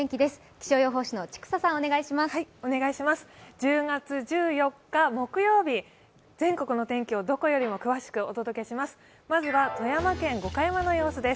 １０月１４日、木曜日、全国の天気をどこよりも詳しくお届けします。